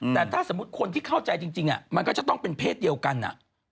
แต่ถ้าสมมุติคนที่เข้าใจจริงมันก็จะต้องเป็นเพศเดียวกัน